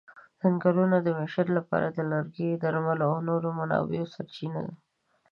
ځنګلونه د معیشت لپاره د لرګي، درملو او نورو منابعو سرچینه ده.